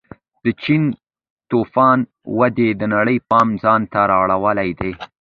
د چین توفا ودې د نړۍ پام ځان ته ور اړولی دی.